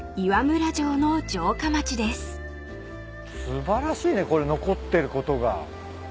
素晴らしいねこれ残ってることが。